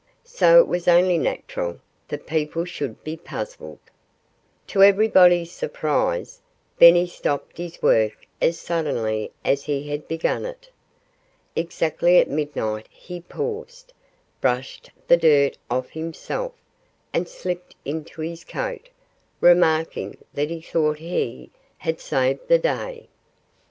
So it was only natural that people should be puzzled. To everybody's surprise, Benny stopped his work as suddenly as he had begun it. Exactly at midnight he paused, brushed the dirt off himself, and slipped into his coat, remarking that he thought he "had saved the day."